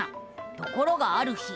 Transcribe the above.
ところがある日。